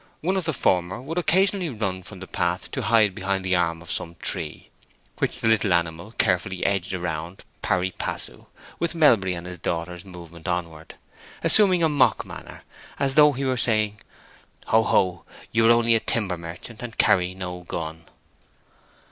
One of the former would occasionally run from the path to hide behind the arm of some tree, which the little animal carefully edged round pari passu with Melbury and his daughters movement onward, assuming a mock manner, as though he were saying, "Ho, ho; you are only a timber merchant, and carry no gun!"